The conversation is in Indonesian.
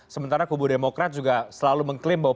sementara kubu demokrat juga selalu mengklaim bahwa